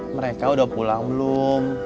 mereka udah pulang belum